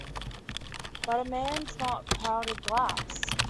But a man's not powdered glass!